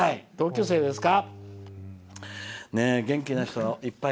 同級生ですか。